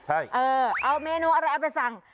ใช่เออเอาเมนูอะไรเอาไปสั่ง